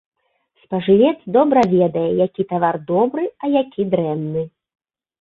Спажывец добра ведае, які тавар добры, а які дрэнны.